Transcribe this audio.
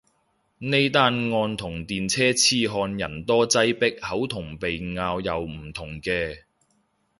呢單案同電車痴漢人多擠迫口同鼻拗又唔同嘅